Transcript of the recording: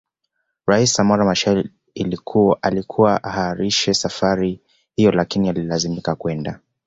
Rais Samora Machel Ilikuwa aahirishe safari hiyo lakini alilazimika kwenda